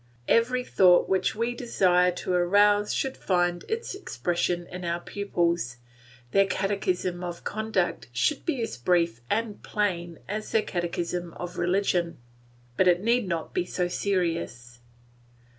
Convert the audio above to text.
Every thought which we desire to arouse should find its expression in our pupils, their catechism of conduct should be as brief and plain as their catechism of religion, but it need not be so serious.